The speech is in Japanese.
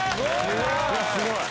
すごい！